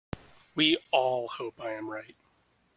We all hope I am right.